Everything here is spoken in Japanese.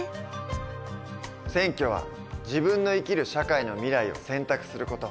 選挙は自分の生きる社会の未来を選択する事。